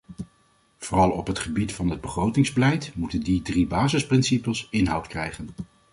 Vooral op het gebied van het begrotingsbeleid moeten die drie basisprincipes inhoud krijgen.